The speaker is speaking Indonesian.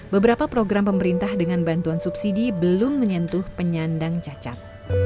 beberapa program pemerintah dengan bantuan subsidi belum menyentuh penyandang cacat